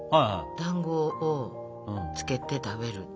だんごをつけて食べる。